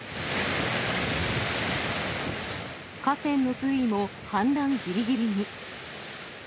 河川の水位も氾濫ぎりぎりに。